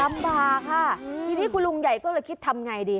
ลำบากค่ะทีนี้คุณลุงใหญ่ก็เลยคิดทำไงดี